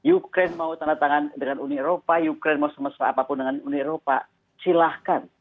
ukraine mau tanda tangan dengan uni eropa ukraine mau semesta apapun dengan uni eropa silahkan